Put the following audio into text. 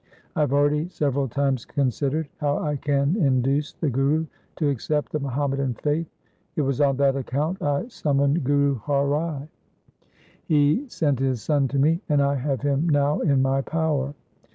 I have already several times considered how I can induce the Guru to accept the Muhammadan faith. It was on that account I summoned Guru Har Rai. 318 THE SIKH RELIGION He sent his son to me, and I have him now in my power.